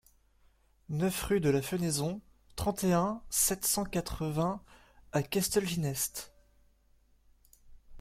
neuf rUE DE LA FENAISON, trente et un, sept cent quatre-vingts à Castelginest